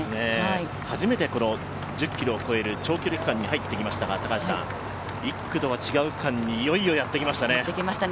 初めて１０ｋｍを超える長距離区間に入ってきましたが１区とは違う区間に、いよいよやってきましたね。